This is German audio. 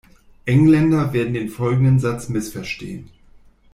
Engländer werden den folgenden Satz missverstehen.